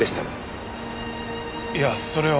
いやそれは。